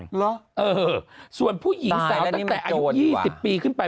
หรอตายแล้วนี่มันโจรดีวะส่วนผู้หญิงสาวตั้งแต่อายุ๒๐ปีขึ้นไป